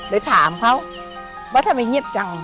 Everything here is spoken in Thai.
เลยถามเขา